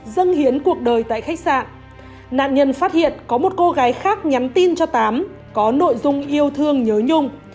dân hiến cuộc đời tại khách sạn nạn nhân phát hiện có một cô gái khác nhắn tin cho tám có nội dung yêu thương nhớ nhung